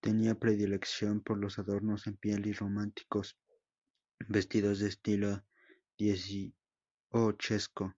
Tenía predilección por los adornos en piel y románticos vestidos de estilo dieciochesco.